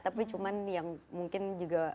tapi cuma yang mungkin juga